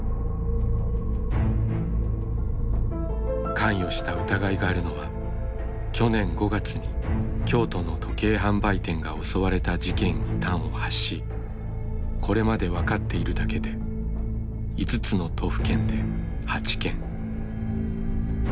関与した疑いがあるのは去年５月に京都の時計販売店が襲われた事件に端を発しこれまで分かっているだけで５つの都府県で８件。